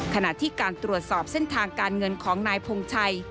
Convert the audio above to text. ขณะที่การตรวจสอบเส้นทางการเงินของนายพงชัย